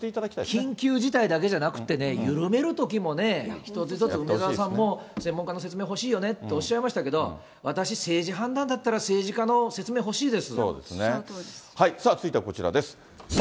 緊急事態だけじゃなくってね、緩めるときもね、一つ一つ、梅沢さんも専門家の説明欲しいよねっておっしゃいましたけど、私、政治判断だったら、政治家の説明欲しいです。